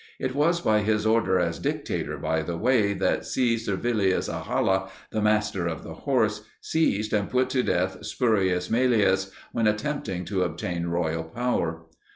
It was by his order as Dictator, by the way, that C. Servilius Ahala, the Master of the Horse, seized and put to death Spurius Maelius when attempting to obtain royal power.